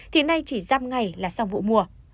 thì nay chỉ dăm ngày là xong vụ mùa